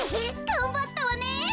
がんばったわね！